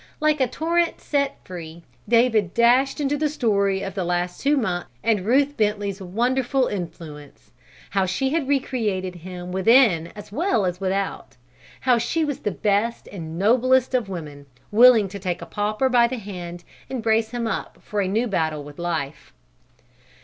Like a torrent set free, David dashed into the story of the last two months and Ruth Bentley's wonderful influence. How she had recreated him within as well as without. How she was the best and noblest of women, willing to take a pauper by the hand and brace him up for a new battle with life.